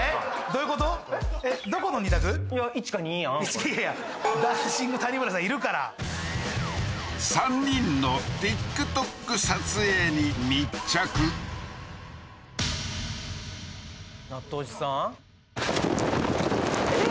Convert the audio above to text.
いやいやダンシング☆谷村さんいるから３人のＴｉｋＴｏｋ撮影に密着納豆おじさんえっ？